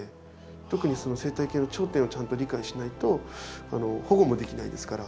特にその生態系の頂点をちゃんと理解しないと保護もできないですから。